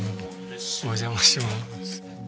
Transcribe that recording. お邪魔します。